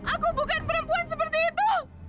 aku bukan perempuan seperti itu